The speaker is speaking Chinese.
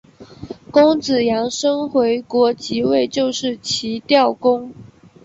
公子阳生回国即位就是齐悼公。